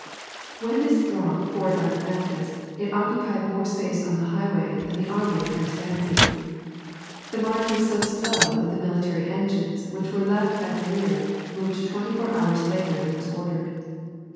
When this throng poured out of Memphis, it occupied more space on the highway than the army of Prince Rameses. The march was so slow that the military engines which were left at the rear moved twenty four hours later than was ordered.